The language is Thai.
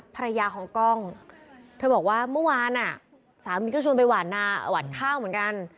ภรรยาของกล้องเธอบอกว่าเมื่อวานสามีก็ชวนไปหวานนาหวานข้าวเหมือนกัน